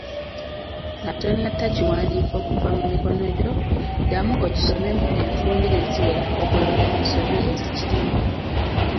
Nga tonnata kiwandiiko kuva mu mikono gyo ddamu okisomemu enfunda eziwera ogolole ensobi ezikirimu.